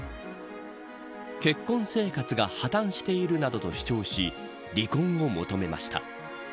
結婚生活が破綻しているなどと主張し離婚を求めました。